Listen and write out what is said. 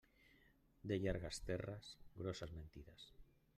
De llargues terres, grosses mentides.